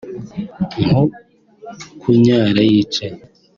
nko kunyara yicaye